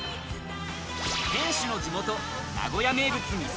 店主の地元、名古屋名物ミソ